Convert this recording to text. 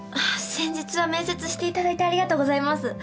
先日は面接していただいてありがとうございます。